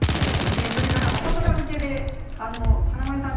それから朝ドラ受けで華丸さん